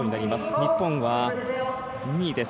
日本は２位です。